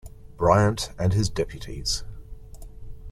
Briant and his deputies.